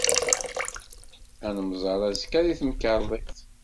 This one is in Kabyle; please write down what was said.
Ad nemmẓer azekka, deg temkarḍit!